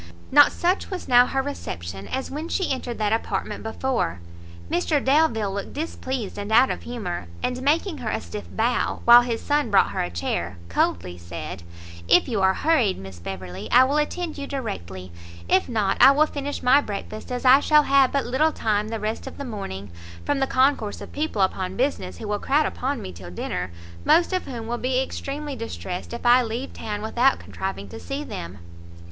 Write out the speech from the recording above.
Not such was now her reception as when she entered that apartment before; Mr Delvile looked displeased and out of humour, and, making her a stiff bow, while his son brought her a chair, coldly said, "If you are hurried, Miss Beverley, I will attend you directly; if not, I will finish my breakfast, as I shall have but little time the rest of the morning, from the concourse of people upon business, who will crowd upon me till dinner, most of whom will be extremely distressed if I leave town without contriving to see them."